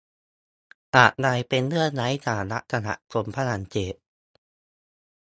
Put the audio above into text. อะไรเป็นเรื่องไร้สาระสำหรับคนฝรั่งเศส